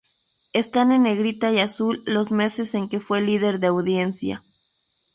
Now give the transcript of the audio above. Están en negrita y azul los meses en que fue líder de audiencia.